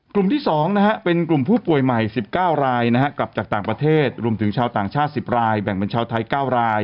กลุ่มที่สองนะฮะเป็นกลุ่มผู้ป่วยใหม่สิบเก้าลายนะฮะกลับจากต่างประเทศรุมถึงชาวต่างชาติสิบลายแบ่งเป็นชาวไทยเก้าลาย